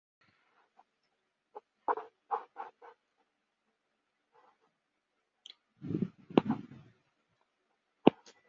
光通量与辐射通量的比值称为辐射发光效率。